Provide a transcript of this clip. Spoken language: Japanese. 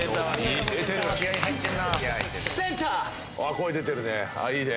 声出てるね。